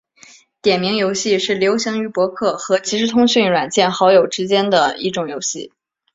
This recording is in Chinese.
点名游戏是流行于博客和即时通讯软件好友之间的一种游戏。